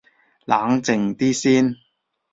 冷靜啲先